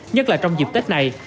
nhất là trong dịp tết này